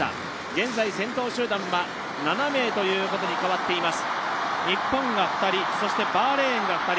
現在先頭集団は７名に変わっています。